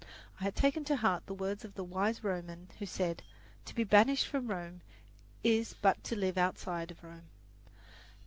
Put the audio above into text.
I had taken to heart the words of the wise Roman who said, "To be banished from Rome is but to live outside of Rome."